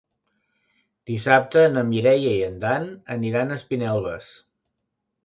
Dissabte na Mireia i en Dan aniran a Espinelves.